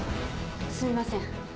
すいません。